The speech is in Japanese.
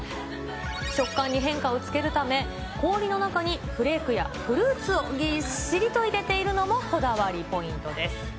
食感に変化をつけるため、氷の中にフレークやフルーツをぎっしりと入れているのもこだわりポイントです。